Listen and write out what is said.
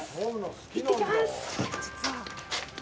行ってきます。